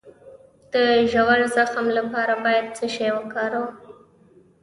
د ژور زخم لپاره باید څه شی وکاروم؟